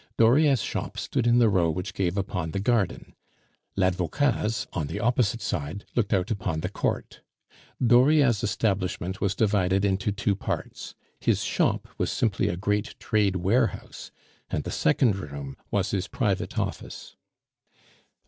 Dauriat's shop stood in the row which gave upon the garden; Ladvocat's, on the opposite side, looked out upon the court. Dauriat's establishment was divided into two parts; his shop was simply a great trade warehouse, and the second room was his private office.